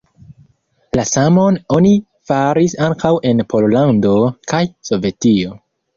La samon oni faris ankaŭ en Pollando kaj Sovetio.